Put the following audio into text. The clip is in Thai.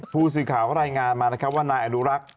พูดถึงข่าวรายงานมานะครับว่านายอดุรักษ์